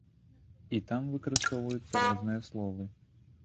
І там выкарыстоўваюцца розныя словы.